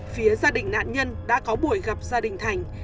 phía gia đình nạn nhân đã có buổi gặp gia đình thành